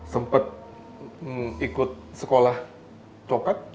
sempat ikut sekolah copet